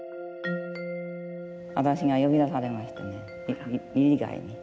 私が呼び出されましてね理事会に。